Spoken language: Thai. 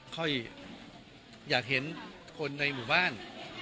ค่อยอยากเห็นคนในหมู่บ้าน